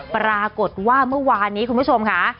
ปรากฏว่าเมื่อวานนี้คุณผู้ชมค่ะ